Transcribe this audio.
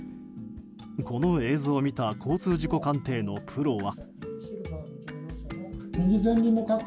この映像を見た交通事故鑑定のプロは。